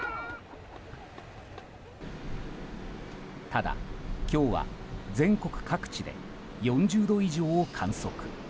ただ、今日は全国各地で４０度以上を観測。